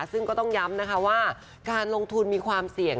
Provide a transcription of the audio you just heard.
ซึ่งก็ต้องย้ำนะคะว่าการลงทุนมีความเสี่ยง